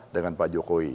dengan pak jokowi